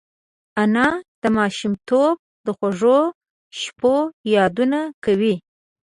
انا د ماشومتوب د خوږو شپو یادونه کوي